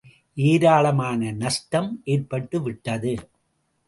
ஏராளமான நஷ்டம் ஏற்பட்டுவிட்டது.